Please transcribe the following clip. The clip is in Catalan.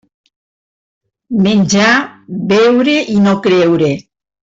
Menjar, beure i no creure.